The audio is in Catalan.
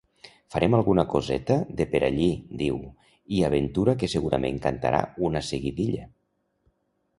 Farem alguna coseta de per allí, diu, i aventura que segurament cantarà una seguidilla.